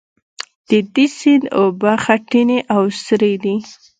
د دې سیند اوبه خټینې او سرې دي.